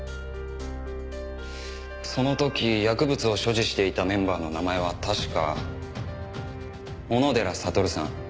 その時薬物を所持していたメンバーの名前は確か小野寺悟さん。